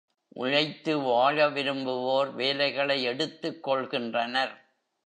உழைத்து வாழ விரும்புவோர் வேலைகளை எடுத்துக் கொள்கின்றனர்.